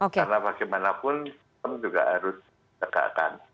karena bagaimanapun kami juga harus tegakkan